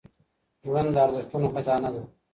ژوند د ارزښتونو خزانه ده